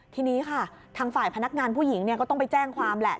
ทีนี้ค่ะทางฝ่ายพนักงานผู้หญิงก็ต้องไปแจ้งความแหละ